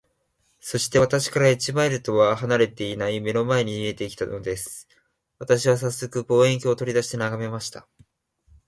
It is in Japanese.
そして、私から一マイルとは離れていない眼の前に見えて来たのです。私はさっそく、望遠鏡を取り出して眺めました。